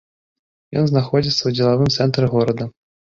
Ён знаходзіцца ў дзелавым цэнтры горада.